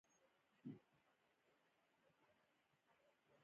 یوه اقتصادپوه د حماقت بنسټیز قوانین وړاندې کړل.